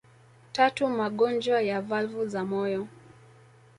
Tatu magonjwa ya valvu za moyo